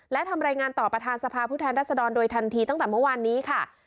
และทำรายงานต่อประธานสภาพผู้แทนรัศดรโดยทันทีตั้งแต่เมื่อวานนี้ค่ะ